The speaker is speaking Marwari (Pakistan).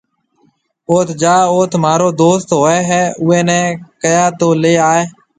اوٿ جاو اوٿ مهآرو دوست هوئي اُوئي نَي ڪهيا تو ليَ آئي۔